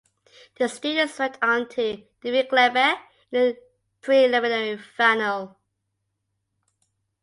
The Students went on to defeat Glebe in the preliminary final.